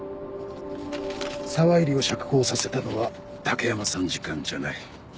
沢入を釈放させたのは武山参事官じゃない。